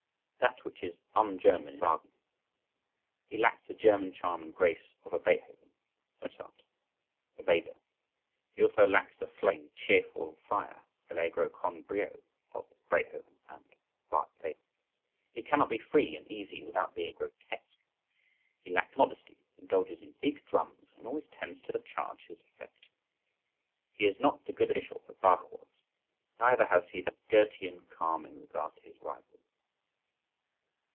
That which is un German in Wagner. He lacks the German charm and grace of a Beethoven, a Mozart, a Weber; he also lacks the flowing, cheerful fire (Allegro con brio) of Beethoven and Weber. He cannot be free and easy without being grotesque. He lacks modesty, indulges in big drums, and always tends to surcharge his effect. He is not the good official that Bach was. Neither has he that Goethean calm in regard to his rivals.